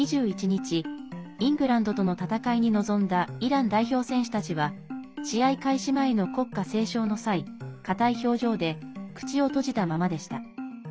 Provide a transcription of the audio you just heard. ２１日イングランドとの戦いに臨んだイラン代表選手たちは試合開始前の国歌斉唱の際硬い表情で口を閉じたままでした。